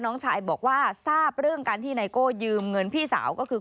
น้องชายบอกว่าทราบเรื่องการที่ไนโก้ยืมเงินพี่สาวก็คือ